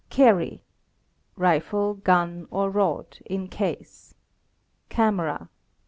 Carry: Rifle, gun, or rod, in case. Camera